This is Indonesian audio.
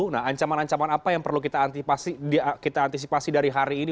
nah ancaman ancaman apa yang perlu kita antisipasi dari hari ini